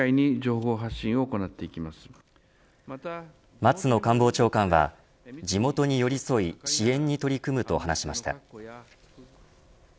松野官房長官は地元に寄り添い支援に取り組むと話しました。